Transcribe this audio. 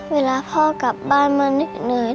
เวลาพ่อกลับบ้านมาเหนื่อย